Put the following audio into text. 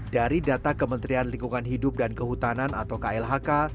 dari data kementerian lingkungan hidup dan kehutanan atau klhk